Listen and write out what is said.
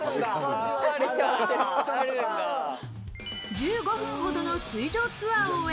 １５分程の水上ツアーを終え、